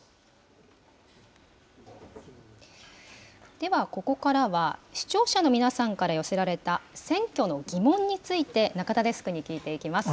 では、ここからは、視聴者の皆さんから寄せられた選挙のギモンについて、中田デスクに聞いていきます。